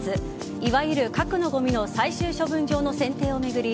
いわゆる核のごみの最終処分場の選定を巡り